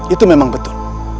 itu memang betul